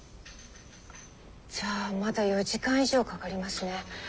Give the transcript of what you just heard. じゃあまだ４時間以上かかりますね。